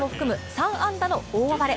３安打の大暴れ。